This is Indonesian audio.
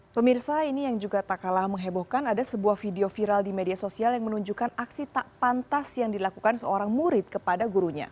pemirsa ini yang juga tak kalah menghebohkan ada sebuah video viral di media sosial yang menunjukkan aksi tak pantas yang dilakukan seorang murid kepada gurunya